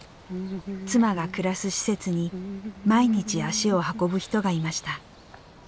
妻が暮らす施設に毎日足を運ぶ人がいました。